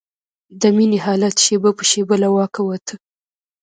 د مينې حالت شېبه په شېبه له واکه وته.